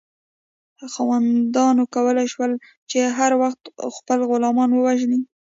خاوندانو کولی شول چې هر وخت خپل غلامان ووژني.